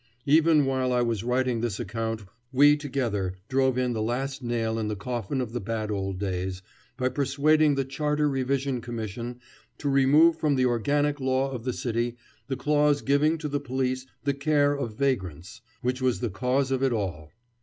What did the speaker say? Even while I was writing this account we together drove in the last nail in the coffin of the bad old days, by persuading the Charter Revision Commission to remove from the organic law of the city the clause giving to the police the care of vagrants, which was the cause of it all.